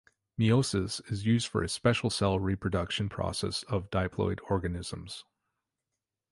Meiosis is used for a special cell reproduction process of diploid organisms.